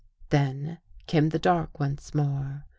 Then came the dark once more.